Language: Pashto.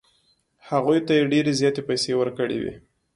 هغوی ته یې ډېرې زیاتې پیسې ورکړې وې.